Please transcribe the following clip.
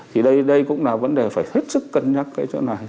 thì đây đây cũng là vấn đề phải hết sức cân nhắc cái chỗ này